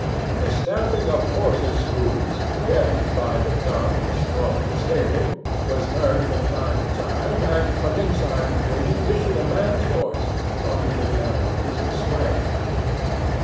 The stamping of horses' hoofs, deadened by the dung and straw of the stable, was heard from time to time, and from inside the building issued a man's voice, talking to the animals and swearing at them.